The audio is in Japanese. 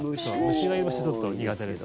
虫がいる場所ちょっと苦手です。